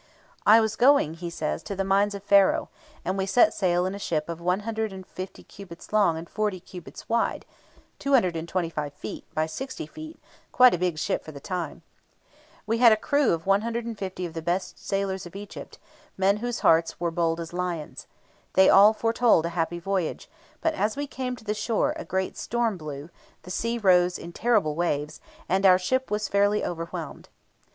"I was going," he says, "to the mines of Pharaoh, and we set sail in a ship of 150 cubits long and 40 cubits wide (225 feet by 60 feet quite a big ship for the time). We had a crew of 150 of the best sailors of Egypt, men whose hearts were as bold as lions. They all foretold a happy voyage, but as we came near the shore a great storm blew, the sea rose in terrible waves, and our ship was fairly overwhelmed.